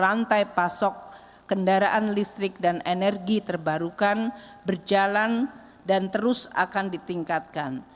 rantai pasok kendaraan listrik dan energi terbarukan berjalan dan terus akan ditingkatkan